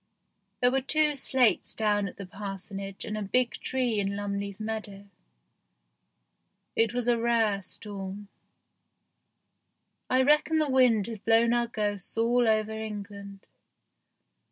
There were two slates down at the parsonage and a big tree in Lumley's meadow. It was a rare storm. I reckon the wind had blown our ghosts all over England.